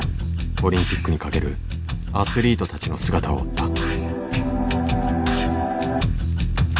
オリンピックにかけるアスリートたちの姿を追った。